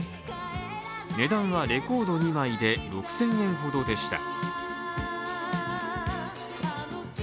値段はレコード２枚で６０００円ほどでした。